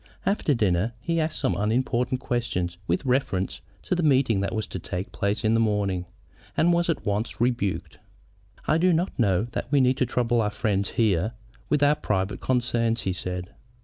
After dinner he asked some unimportant question with reference to the meeting that was to take place in the morning, and was at once rebuked. "I do not know that we need trouble our friend here with our private concerns," he said.